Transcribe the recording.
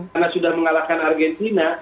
karena sudah mengalahkan argentina